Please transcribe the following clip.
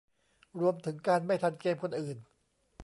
รวมถึงการไม่ทันเกมคนอื่น